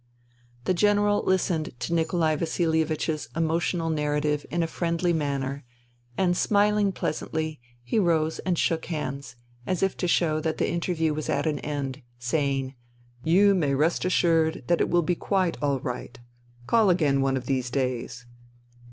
'* The General hstened to Nikolai VasiHevich's INTERVENING IN SIBERIA 165 emotional narrative in a friendly manner, and smiling pleasantly he rose and shook hands, as if to show that the interview was at an end, saying, " You may rest assured that it will be quite all right. Call again one of these days."